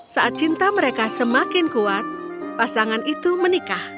saat cinta mereka semakin kuat pasangan itu menikah